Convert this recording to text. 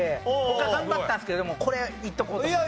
他頑張ったんですけどでもこれいっとこうと思いました。